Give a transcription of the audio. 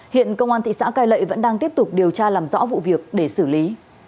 hiện công an thị xã cai lệ vẫn đang tiếp tục điều tra làm rõ vụ việc để xử lý